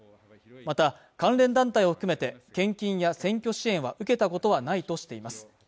また関連団体を含めて献金や選挙支援は受けたことはないとしています